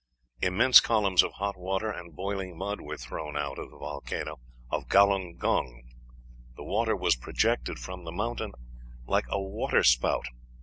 "Immense columns of hot water and boiling mud were thrown out" of the volcano of Galung Gung; the water was projected from the mountain "like a water spout."